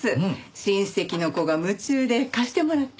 親戚の子が夢中で貸してもらって。